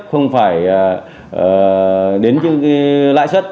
không phải đến lãi xuất